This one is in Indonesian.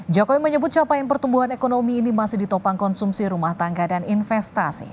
jokowi menyebut capaian pertumbuhan ekonomi ini masih ditopang konsumsi rumah tangga dan investasi